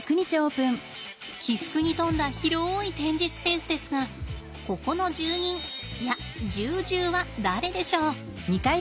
起伏に富んだ広い展示スペースですがここの住人いや住獣は誰でしょう？